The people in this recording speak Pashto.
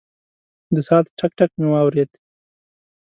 د ساعت ټک، ټک مې واورېد.